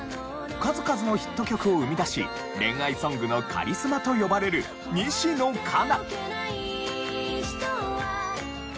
数々のヒット曲を生み出し恋愛ソングのカリスマと呼ばれる西野カナ。